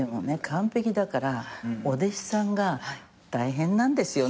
完璧だからお弟子さんが大変なんですよね。